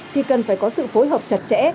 thì cần phải có sự phối hợp chặt chẽ